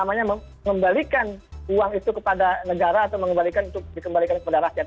mengembalikan uang itu kepada negara atau mengembalikan untuk dikembalikan kepada rakyat